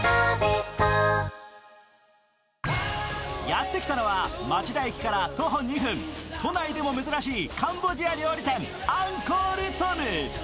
やってきたのは町田駅から徒歩２分、都内でも珍しいカンボジア料理店アンコール・トム。